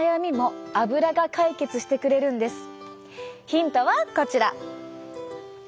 ヒントはこちら。